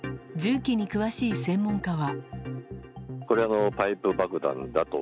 銃器に詳しい専門家は。